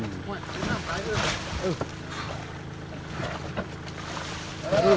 จนที